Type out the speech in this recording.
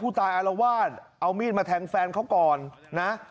อารวาสเอามีดมาแทงแฟนเขาก่อนนะ